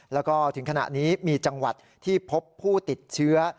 แล้วก็ถึงขณะนี้มีจังหวัดที่พบผู้ติดเชื้อ